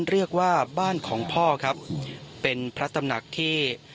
เรียกว่าบ้านของพ่อครับเป็นพระตำหนักที่